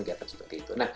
kegiatan seperti itu